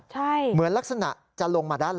ใช่ค่ะเหมือนลักษณะจะลงมาด้านล่าง